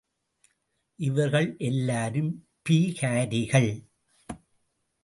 இவர்கள் எல்லாரும் பீகாரிகள்.